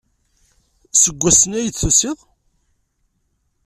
Seg wansi ay d-tusiḍ?